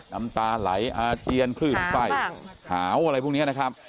น้ำตาไหลอาเจียนคลื่นไส้หาวอะไรพวกนี้นะครับ